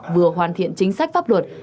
vừa hoàn thiện chính sách pháp luật